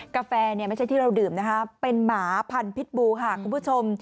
กาแฟเนี่ยไม่ใช่ที่เราดื่มนะคะเป็นหมาพันธุ์พิษบูค่ะคุณผู้ชม